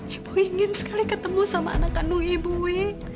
ibu ingin sekali ketemu sama anak kandung ibu wi